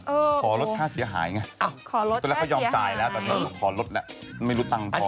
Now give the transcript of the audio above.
นะครับขอลดค่าเสียหายไงไปตดลัเขายอมจ่ายแล้วแต่แต่นี้ขอลดนี่ไม่รู้ตังค์พอร้อง